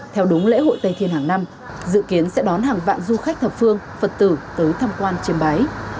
theo đúng lễ hội tây thiên hàng năm dự kiến sẽ đón hàng vạn du khách thập phương phật tử tới thăm quan trên bái